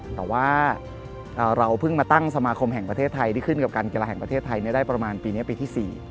แต่ว่าเราเพิ่งมาตั้งสมาคมแห่งประเทศไทยที่ขึ้นกับการกีฬาแห่งประเทศไทยได้ประมาณปีนี้ปีที่๔